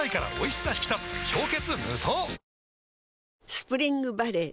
スプリングバレー